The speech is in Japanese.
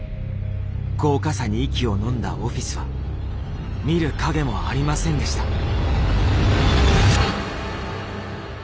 豪華さに息をのんだオフィスは見る影もありませんでした。